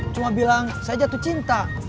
cuma bilang saya jatuh cinta